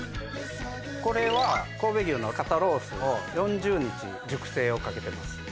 これは神戸牛の肩ロースを４０日熟成をかけてます。